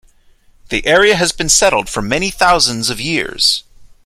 The area has been settled for many thousands of years.